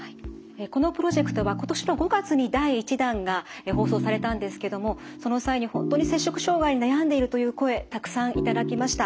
このプロジェクトは今年の５月に第１弾が放送されたんですけどもその際に本当に摂食障害に悩んでいるという声たくさん頂きました。